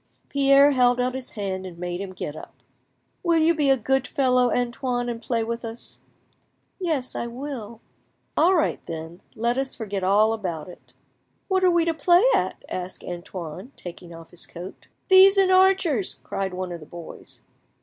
Pierre held out his hand and made him get up. "Will you be a good fellow, Antoine, and play with us?" "Yes, I will." "All right, then; let us forget all about it." "What are we to play at?" asked Antoine, taking off his coat. "Thieves and archers," cried one of the boys....